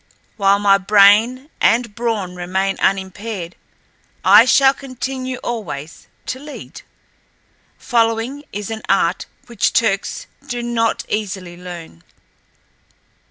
While my brain and brawn remain unimpaired I shall continue always to lead. Following is an art which Turcks do not easily learn.